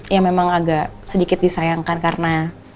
ya memang agak sedikit disayangkan karena